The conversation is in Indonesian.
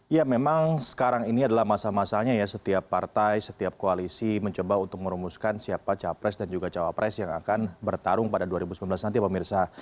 ya memang sekarang ini adalah masa masanya ya setiap partai setiap koalisi mencoba untuk merumuskan siapa capres dan juga cawapres yang akan bertarung pada dua ribu sembilan belas nanti pemirsa